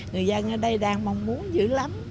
người dân ở đây đang mong muốn dữ lắm